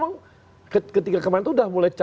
memang ketika kemarin udah mulai